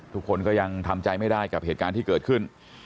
ทุกคนก็ยังทำใจไม่ได้กับเหตุการณ์ที่เกิดขึ้น